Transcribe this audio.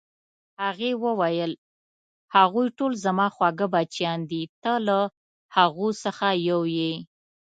هغې وویل: هغوی ټول زما خواږه بچیان دي، ته له هغو څخه یو یې.